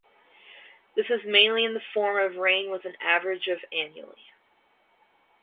This is mainly in the form of rain with an average of annually.